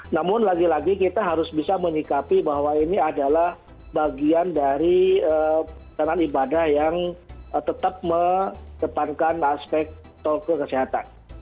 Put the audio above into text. namun lagi lagi kita harus bisa menyikapi bahwa ini adalah bagian dari perjalanan ibadah yang tetap mengedepankan aspek toko kesehatan